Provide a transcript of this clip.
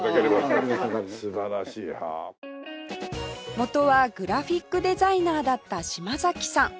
元はグラフィックデザイナーだった島崎さん